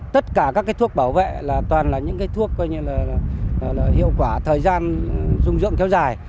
tất cả các thuốc bảo vệ toàn là những thuốc hiệu quả thời gian dung dưỡng kéo dài